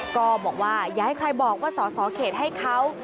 ก็บอกว่าอย่าให้ใครบอกว่าสอสอเขตให้เขา